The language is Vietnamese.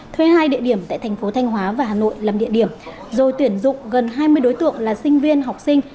thuê hai địa điểm tại thành phố thanh hóa và hà nội làm địa điểm rồi tuyển dụng gần hai mươi đối tượng là sinh viên học sinh